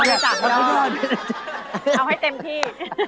เอาให้เต็มพี่